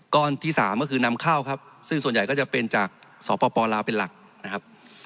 ที่สามก็คือนำเข้าครับซึ่งส่วนใหญ่ก็จะเป็นจากสปลาวเป็นหลักนะครับ